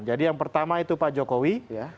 jadi yang pertama itu pak jokowi tiga puluh enam dua